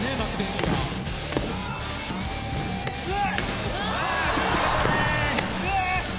うわ！